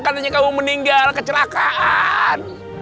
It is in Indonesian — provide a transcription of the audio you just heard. katanya kamu meninggal kecerakaan